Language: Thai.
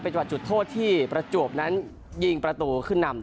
จังหวัดจุดโทษที่ประจวบนั้นยิงประตูขึ้นนำ